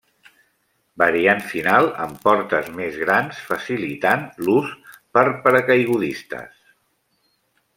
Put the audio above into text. Variant final amb portes més grans facilitant l'ús per paracaigudistes.